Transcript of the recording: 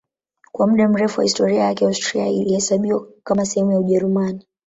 Kwa muda mrefu wa historia yake Austria ilihesabiwa kama sehemu ya Ujerumani.